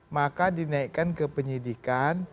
maka dinaikkan ke penyelidikan